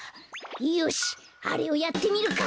よしあれをやってみるか！